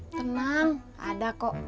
tenang ada kok